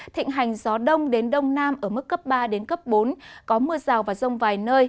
thịnh hành gió đông đến đông nam ở mức cấp ba đến cấp bốn có mưa rào và rông vài nơi